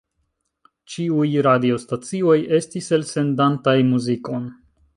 Ĉiuj radiostacioj estis elsendantaj muzikon.